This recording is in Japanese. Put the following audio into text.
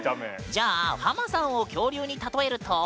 じゃあハマさんを恐竜に例えると？